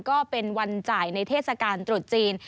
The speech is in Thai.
ก็เป็นวันจ่ายในเทศกาลตรุษจีน